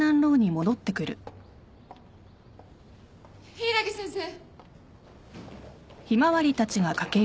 ・柊木先生！